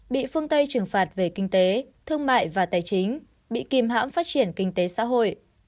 bị phương tây trừng phạt về kinh tế thương mại và tài chính bị kìm hãm phát triển kinh tế xã hội